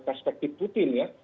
perspektif putin ya